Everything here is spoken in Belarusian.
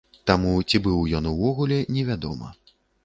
Таму, ці быў ён увогуле, не вядома.